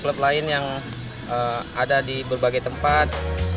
klub lain yang ada di berbagai tempat